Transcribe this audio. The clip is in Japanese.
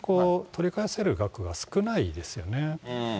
取り返せる額が少ないですよね。